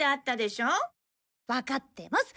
わかってます！